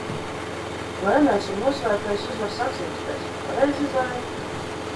Lēnais un nosvērtais uzvar sacīkstēs, pareizi, zēn?